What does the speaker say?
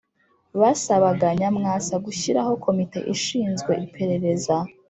basabaga nyamwasa gushyiraho komite ishinzwe iperereza